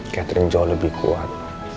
catherine jauh lebih kuat